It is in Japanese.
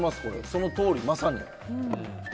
そのとおり、まさに。